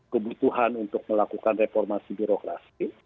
kebutuhan untuk melakukan reformasi birokrasi